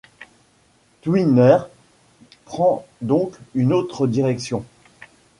Tweener prend donc une autre direction.